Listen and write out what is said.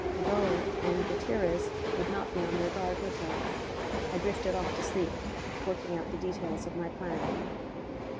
De Boer and Gutierrez would not be on their guard with her. I drifted off to sleep, working out the details of my plan.